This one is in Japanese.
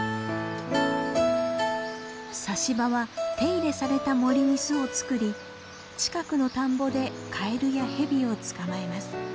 サシバは手入れされた森に巣を作り近くの田んぼでカエルやヘビを捕まえます。